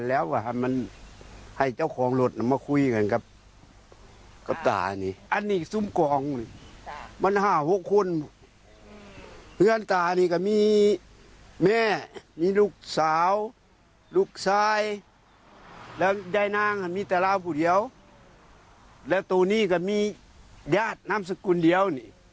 แล้วตัวนี้ก็มีญาติน้ำสกุลเดียว